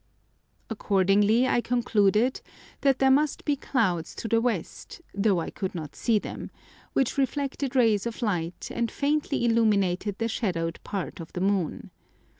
Accordingly, I concluded that there must be clouds to the west, though I could not see them, which reflected rays of light and faintly illuminated the shadowed part of the moon.